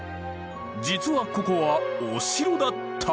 実はここはお城だった。